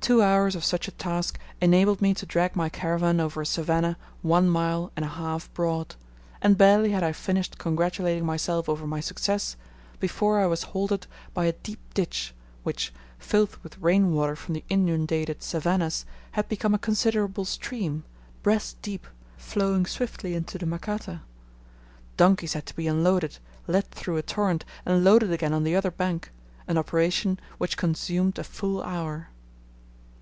Two hours of such a task enabled me to drag my caravan over a savannah one mile and a half broad; and barely had I finished congratulating myself over my success before I was halted by a deep ditch, which, filled with rain water from the inundated savannahs, had become a considerable stream, breast deep, flowing swiftly into the Makata. Donkeys had to be unloaded, led through a torrent, and loaded again on the other bank an operation which consumed a full hour.